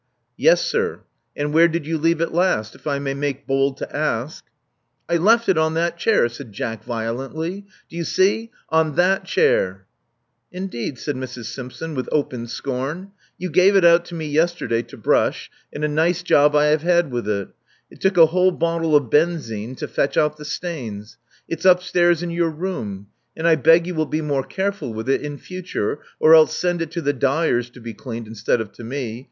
*'Yes, sir. And where did you leave it last, if I may make bold to ask?" I left it on that chair," said Jack violently. Do you see? On that chair." Indeed," said Mrs. Simpson, with open scorn. You gave it out to me yesterday to brush; and a nice job I have had with it: it took a whole bottle of benzine to fetch out the stains. It's upstairs in your room ; and I beg you will be more careful with it in future, or else send it to the dyers to be cleaned instead of to me.